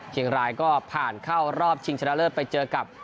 เชียงรายก็ผ่านเข้ารอบชิงชนะเลิศไปเจอกับ